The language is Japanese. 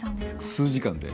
数時間で。